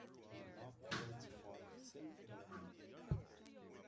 The law provides for self-government.